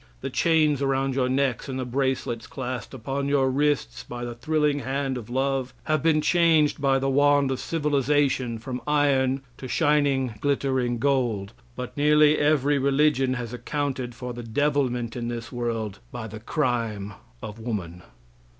The chains around your necks and the bracelets clasped upon your wrists by the thrilling hand of love, have been changed by the wand of civilization from iron to shining, glittering gold. But nearly every religion has accounted for the devilment in this world by the crime of woman.